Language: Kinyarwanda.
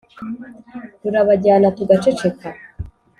rurabajyana tugaceceka,